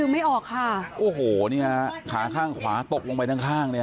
ติดเตียงได้ยินเสียงลูกสาวต้องโทรศัพท์ไปหาคนมาช่วย